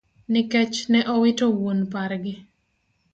Nikech ne owito wuon pargi.